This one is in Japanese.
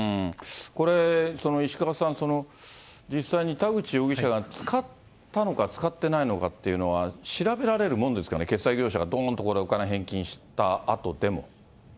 これ、石川さん、実際に田口容疑者が使ったのか使ってないのかっていうのは調べられるもんですかね、決済業者がどーんとお金、返金したあとでも。